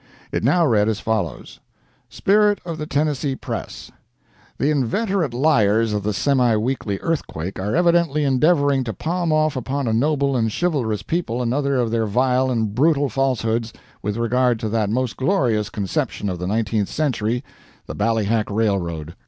It now read as follows: SPIRIT OF THE TENNESSEE PRESS The inveterate liars of the Semi Weekly Earthquake are evidently endeavoring to palm off upon a noble and chivalrous people another of their vile and brutal falsehoods with regard to that most glorious conception of the nineteenth century, the Ballyhack railroad.